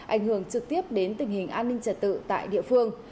ảnh hưởng trực tiếp đến tình hình an ninh trật tự tại địa phương